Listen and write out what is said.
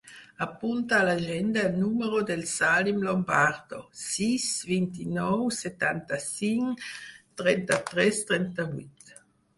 Apunta a l'agenda el número del Salim Lombardo: sis, vint-i-nou, setanta-cinc, trenta-tres, trenta-vuit.